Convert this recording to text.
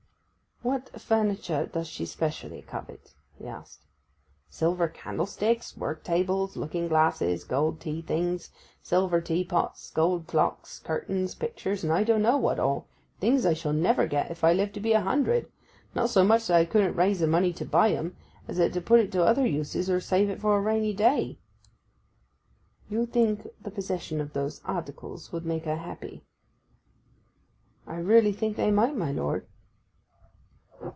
'What furniture does she specially covet?' he asked. 'Silver candlesticks, work tables, looking glasses, gold tea things, silver tea pots, gold clocks, curtains, pictures, and I don't know what all—things I shall never get if I live to be a hundred—not so much that I couldn't raise the money to buy 'em, as that to put it to other uses, or save it for a rainy day.' 'You think the possession of those articles would make her happy?' 'I really think they might, my lord.